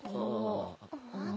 ああ。